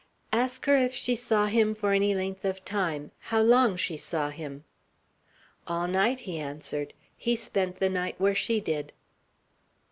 "Ask her if she saw him for any length of time; how long she saw him." "All night," he answered. "He spent the night where she did."